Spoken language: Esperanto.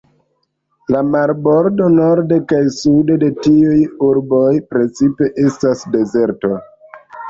La marbordo norde kaj sude de tiuj urboj precipe estas dezerto.